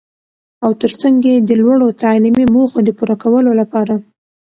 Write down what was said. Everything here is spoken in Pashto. او تر څنګ يې د لوړو تعليمي موخو د پوره کولو لپاره.